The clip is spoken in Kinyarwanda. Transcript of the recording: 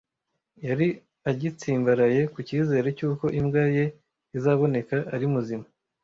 Yari agitsimbaraye ku cyizere cy'uko imbwa ye izaboneka ari muzima.